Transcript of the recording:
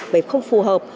bởi không phù hợp